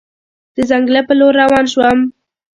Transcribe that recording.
د ځنګله په لور روان شوم.